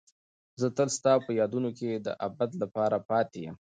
زه تل ستا په یادونو کې د ابد لپاره پاتې یم.